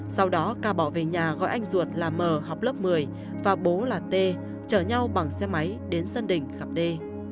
sau đó ca bỏ về nhà gọi anh ruột là m học lớp một mươi và bố là t chở nhau bằng xe máy đến sân đỉnh cặp đê